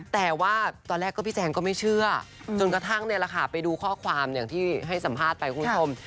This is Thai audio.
แต่ว่าตอนแรกพี่แจงก็ไม่เชื่อจนกระทั่งไปดูข้อความที่ให้สัมภาษณ์ไปคุณผู้ชม